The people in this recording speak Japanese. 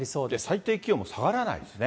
最低気温も下がらないですね。